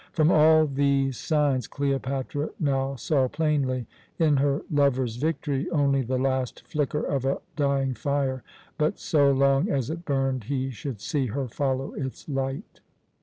From all these signs Cleopatra now saw plainly, in her lover's victory, only the last flicker of a dying fire; but so long as it burned he should see her follow its light.